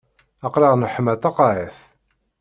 Aql-aɣ neḥma taqaɛet.